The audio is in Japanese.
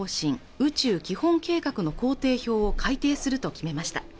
宇宙基本計画の工程表を改訂すると決めました